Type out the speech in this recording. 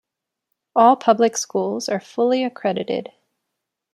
All public schools are fully accredited.